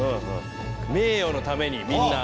名誉のためにみんな。